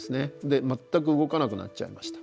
全く動かなくなっちゃいました。